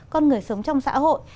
con người sống trong xã hội